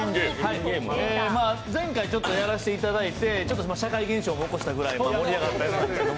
前回ちょっとやらせていただいて社会現象を巻き起こすぐらい盛り上がったんですけど。